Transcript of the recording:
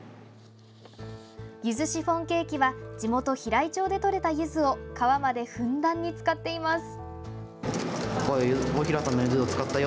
ゆずシフォンケーキは地元・平井町でとれたゆずを皮までふんだんに使っています。